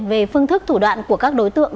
về phương thức thủ đoạn của các đối tượng